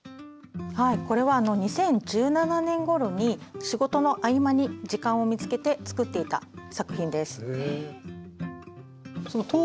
これは２０１７年ごろに仕事の合間に時間を見つけて作っていた作品です。